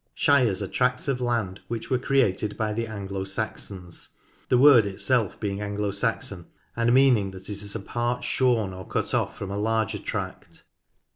Shires are tracts of land which were created by the Anglo Saxons, the word itself being Anglo Saxon, and meaning that it is a part shorn or cut oft' from a larger tract.